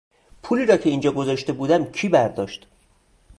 پولی را که اینجا گذاشته بودم کی برداشت؟